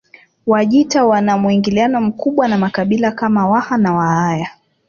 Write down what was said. Wajita wana muingiliano mkubwa na makabila kama Waha na Wahaya